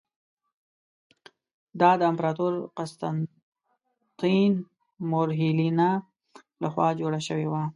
دا د امپراتور قسطنطین مور هیلینا له خوا جوړه شوې وه.